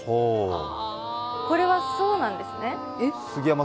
これはそうなんですね。